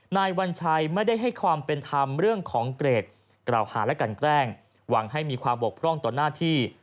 นายวัญชัยไม่ได้ให้ความเป็นธรรมเรื่องของเกรดกล่าวหาและกันแกล้งหวังให้มีความบกพร่องต่อหน้าที่